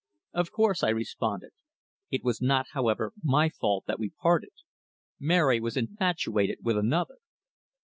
"Of course," I responded. "It was not, however, my fault that we parted. Mary was infatuated with another."